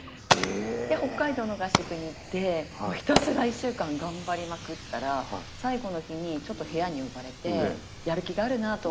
で北海道の合宿に行ってひたすら１週間頑張りまくったら最後の日にちょっと部屋に呼ばれて「やる気があるな」と。